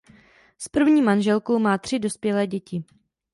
S první manželkou má tři dospělé děti.